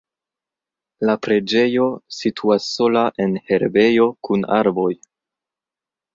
La preĝejo situas sola en herbejo kun arboj.